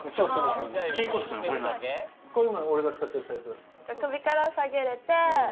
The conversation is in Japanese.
これ今、俺が使ってる財布。